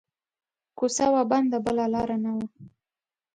کو څه وه بنده بله لار نه وه